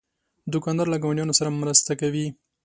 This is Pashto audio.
دوکاندار له ګاونډیانو سره مرسته کوي.